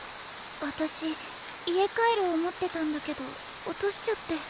私家カエルを持ってたんだけど落としちゃって。